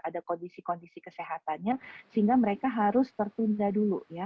ada kondisi kondisi kesehatannya sehingga mereka harus tertunda dulu ya